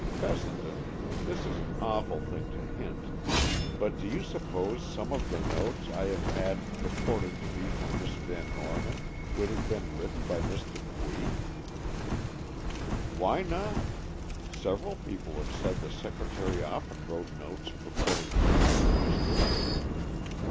Fessenden—this is an awful thing to hint—but do you suppose some of the notes I have had purporting to be from Miss Van Norman could have been written by Miss Dupuy?" "Why not? Several people have said the secretary often wrote notes purporting to be from the mistress."